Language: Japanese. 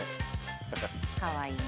かわいいな。